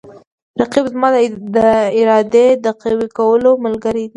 رقیب زما د ارادې د قوي کولو ملګری دی